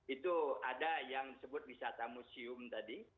itu ada yang disebut wisata museum tadi